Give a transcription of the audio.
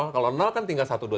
kalau kan tinggal satu dua